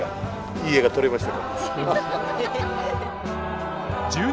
いい絵が撮れましたか。